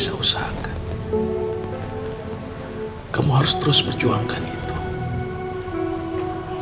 statusi adanya ngomong agama semakin lantang